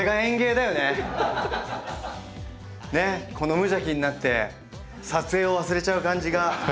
無邪気になって撮影を忘れちゃう感じが。